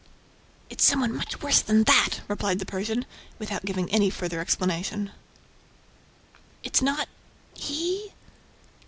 "It's some one much worse than that!" replied the Persian, without giving any further explanation. "It's not ... he?"